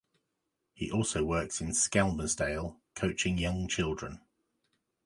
He also works in Skelmersdale, coaching young children.